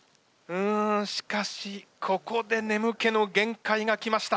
うんしかしここで眠気のげんかいが来ました。